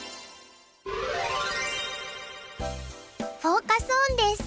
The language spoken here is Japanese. フォーカス・オンです。